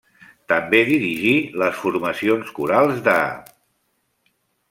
També dirigí les formacions corals de: